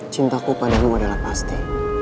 cintaku padahal lo adalah pasti